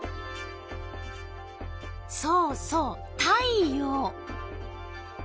そうそう太陽。